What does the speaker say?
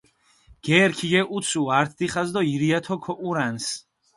გერი ქიგეჸუცუ ართ დიხას დო ირიათო ქოჸურანს.